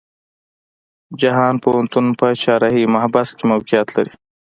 جهان پوهنتون په چهارراهی محبس کې موقيعت لري.